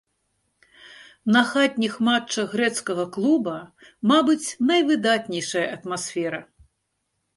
На хатніх матчах грэцкага клуба, мабыць, найвыдатнейшая атмасфера.